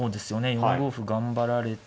４五歩頑張られて。